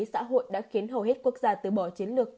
xã hội đã khiến hầu hết quốc gia từ bỏ chiến lược